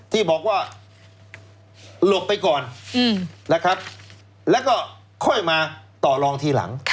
ที่บอกว่าหลบไปก่อนนะครับแล้วก็ค่อยมาต่อลองทีหลัง